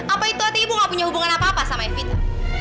apa itu artinya ibu gak punya hubungan apa apa sama ibu